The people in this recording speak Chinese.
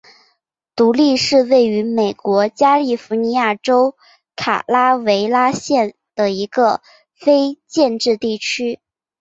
独立是位于美国加利福尼亚州卡拉韦拉斯县的一个非建制地区。